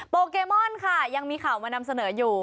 เกมอนค่ะยังมีข่าวมานำเสนออยู่